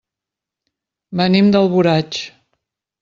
Venim d'Alboraig.